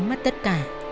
đánh mất tất cả